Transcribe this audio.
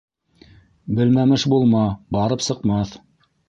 Белмәмеш булма: барып сыҡмаҫ!